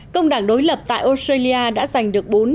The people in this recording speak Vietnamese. công đảng đối lập tại australia đã giành được bốn